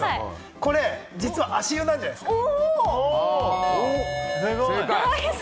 これ、実は足湯なんじゃないですか？